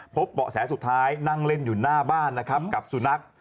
เบาะแสสุดท้ายนั่งเล่นอยู่หน้าบ้านนะครับกับสุนัข